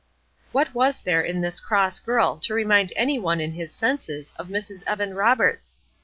What was there in this cross girl to remind any one in his senses of Mrs. Evan Roberts?